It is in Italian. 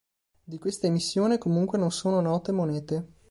Di questa emissione comunque non sono note monete.